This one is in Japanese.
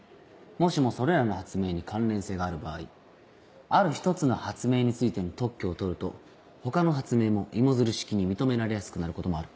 もしもそれらの発明に関連性がある場合ある一つの発明についての特許を取ると他の発明も芋づる式に認められやすくなることもある。